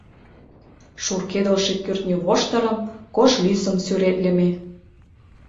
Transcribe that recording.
Шуркедылше кӱртньывоштырым, кож лӱсым сӱретлыме.